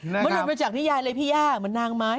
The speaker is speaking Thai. มันหลุดมาจากนิยายเลยพี่ย่าเหมือนนางไม้